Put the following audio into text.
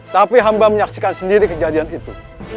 tapi hamba menyaksikan sendiri kejadian itu